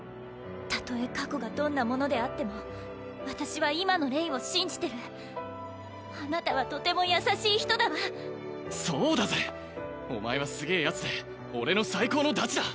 たとえ過去がどんなものであっても私は今のレイを信じてるあなたはとても優しい人だわそうだぜお前はすげえヤツで俺の最高のダチだ！